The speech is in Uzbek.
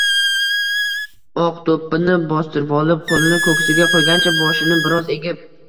Oq do‘ppini bostirvolib, qo‘lini ko‘ksiga qo‘ygancha, boshini biroz egib